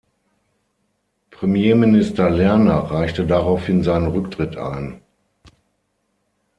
Premierminister Lerner reichte daraufhin seinen Rücktritt ein.